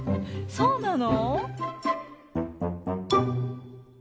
そうなの？